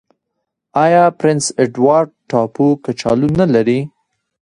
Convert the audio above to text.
آیا پرنس اډوارډ ټاپو کچالو نلري؟